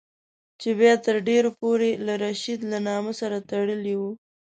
چې بیا تر ډېرو پورې له رشید له نامه سره تړلی وو.